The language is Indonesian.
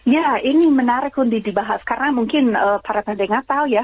ya ini menarik pun dibahas karena mungkin para pendengar tahu ya